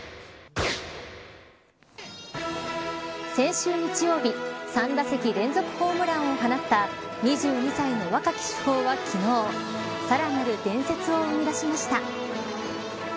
先週日曜日３打席連続ホームランを放った２２歳の若き主砲は昨日さらなる伝説を生み出しました。